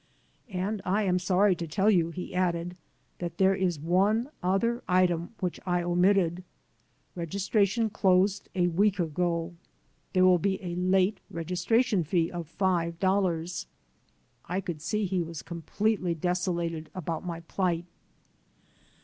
"And I am sorry to tell you," he added, "that there is one other item which I omitted. Registration closed a week ago. There will be a late registration fee of five dollars." I could see he was completely desolated about my plight.